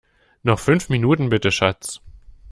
Noch fünf Minuten bitte, Schatz!